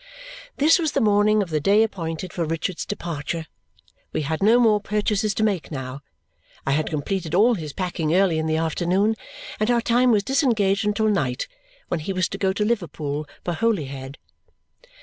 This was the morning of the day appointed for Richard's departure. We had no more purchases to make now; I had completed all his packing early in the afternoon; and our time was disengaged until night, when he was to go to Liverpool for Holyhead.